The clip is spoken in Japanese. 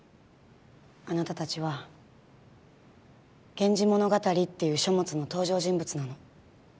あなたちは「源氏物語」っていう書物の登場人物なの。